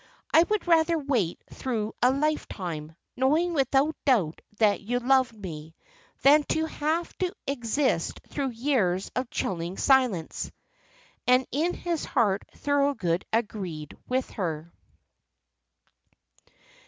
"I would rather wait through a lifetime, knowing without doubt that you loved me, than have to exist through years of chilling silence." And in his heart Thorold agreed with her.